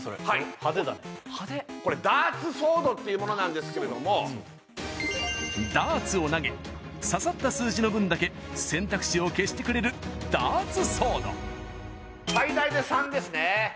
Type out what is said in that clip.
派手だねこれダーツソードっていうものなんですけれどもダーツを投げ刺さった数字の分だけ選択肢を消してくれるダーツソード最大で３ですね